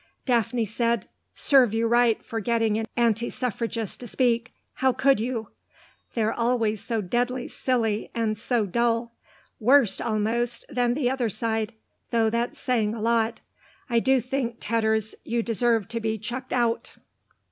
Daphne said, "Serve you right for getting an anti suffragist to speak. How could you? They're always so deadly silly, and so dull. Worse, almost, than the other side, though that's saying a lot. I do think, Tedders, you deserved to be chucked out."